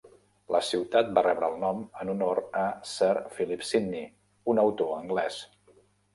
La ciutat va rebre el nom en honor a Sir Philip Sidney, un autor anglès.